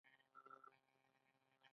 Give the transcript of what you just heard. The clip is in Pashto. مصنوعي ځیرکتیا د عقل تعریف بیا ارزوي.